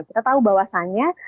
kita tahu bahwasannya